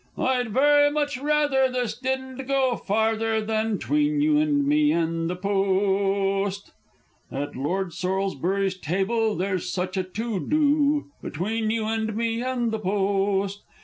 I'd very much rather this didn't go farther, than 'tween you and me and the Post! At Lord Sorlsbury's table there's sech a to do. Between you and me and the Post!